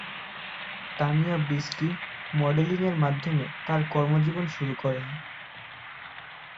Tania Brishti modelling এর মাধ্যমে তার কর্ম জীবন শুরু করেন।